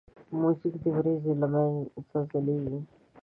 موزیک د وریځو له منځه ځلیږي.